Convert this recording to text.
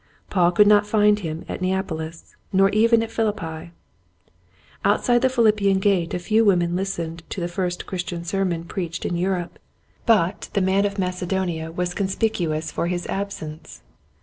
Paul could not find him at Neapolis nor even at Philippi. Outside the Philippian gate a few women listened to the first Christian sermon preached in Europe, but 24 Quiet Hints to Growing Preachers. the " man of Macedonia " was conspicu ous for his absence.